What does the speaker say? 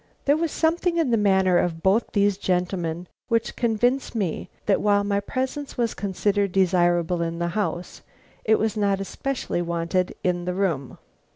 There was something in the manner of both these gentlemen which convinced me that while my presence was considered desirable in the house, it was not especially wanted in the room.